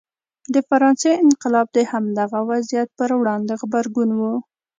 د فرانسې انقلاب د همدغه وضعیت پر وړاندې غبرګون و.